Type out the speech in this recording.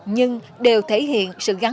nhưng đều thể hiện sự gắn bó của họ